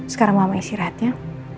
sekarang mama isi rehatnya